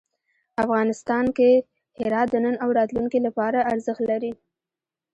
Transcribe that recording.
افغانستان کې هرات د نن او راتلونکي لپاره ارزښت لري.